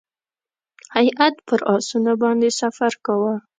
هیات پر آسونو باندې سفر کاوه.